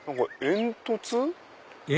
煙突？